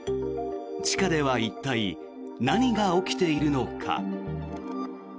地下では一体、何が起きているのか。